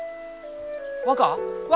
若？